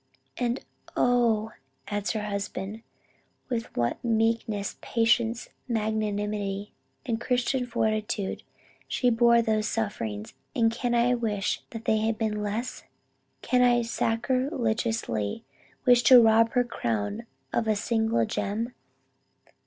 "And oh!" adds her husband, "With what meekness, patience magnanimity and Christian fortitude, she bore those sufferings; and can I wish they had been less? Can I sacriligiously wish to rob her crown of a single gem?